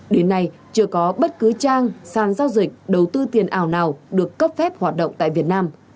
đến nay chưa có bất cứ trang sàn giao dịch đầu tư tiền ảo nào được cấp phép hoạt động tại việt nam